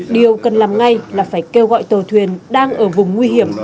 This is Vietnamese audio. điều cần làm ngay là phải kêu gọi tàu thuyền đang ở vùng nguy hiểm